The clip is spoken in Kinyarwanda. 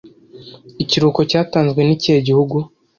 Ikiruhuko cyatanzwe nikihe gihugu